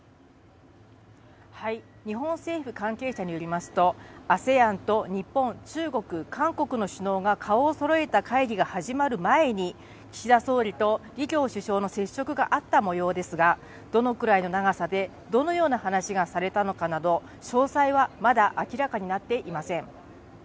日本政府関係者によりますと、ＡＳＥＡＮと日本、中国、韓国の首脳が顔をそろえた会議が始まる前に、岸田総理と李強首相の接触があったもようですが、どのくらいの長さで、どのような話がされたのかなど、詳細はまだ明らかになっていません。